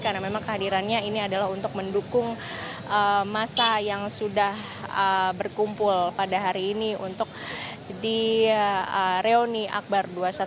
karena memang kehadirannya ini adalah untuk mendukung masa yang sudah berkumpul pada hari ini untuk direuni akbar dua ratus dua belas